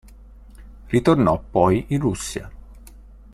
Ritornò poi in Russia.